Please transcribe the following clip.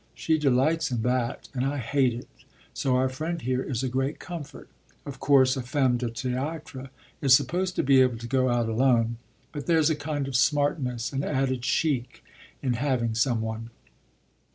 She delights in that and I hate it, so our friend here is a great comfort. Of course a femme de théâtre is supposed to be able to go out alone, but there's a kind of 'smartness,' an added chic, in having some one.